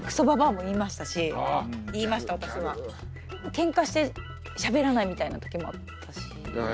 ケンカしてしゃべらないみたいな時もあったし。